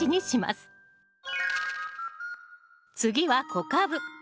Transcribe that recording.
次は小カブ。